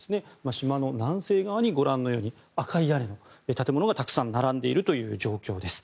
島の南西側にご覧のように赤い屋根の建物がたくさん並んでいる状況です。